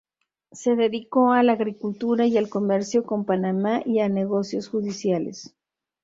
Se dedicó a la agricultura y al comercio con Panamá y a negocios judiciales.